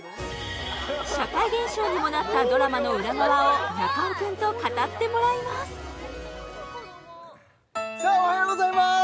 社会現象にもなったドラマの裏側を中尾くんと語ってもらいますさあおはようございます